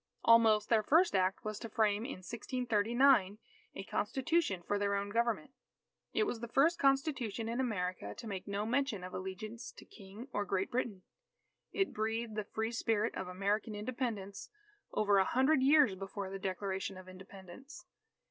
Almost, their first act was to frame in 1639, a Constitution for their own government. It was the first Constitution in America to make no mention of allegiance to King or Great Britain. It breathed the free spirit of American Independence over a hundred years before the Declaration of Independence.